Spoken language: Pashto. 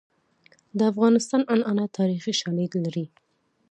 د افغانستان عنعنات تاریخي شالید لري.